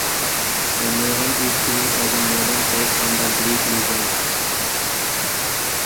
The novel is seen as a modern take on the Greek legend.